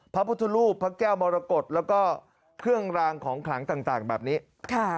พระพุทธรูปพระแก้วมรกฏแล้วก็เครื่องรางของขลังต่างแบบนี้ค่ะ